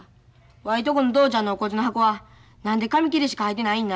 わいとこの父ちゃんのお骨の箱は何で紙切れしか入ってないんな？